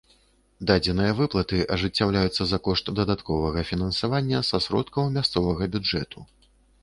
Дадзеныя выплаты ажыццяўляюцца за кошт дадатковага фінансавання са сродкаў мясцовага бюджэту.